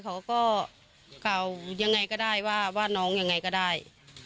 เขาก็กล่าวยังไงก็ได้ว่าน้องยังไงก็ได้